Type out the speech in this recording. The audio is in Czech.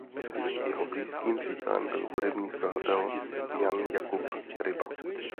Jeho blízkým přítelem byl hudební skladatel Jan Jakub Ryba.